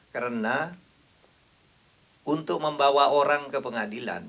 karena untuk membawa orang ke pengadilan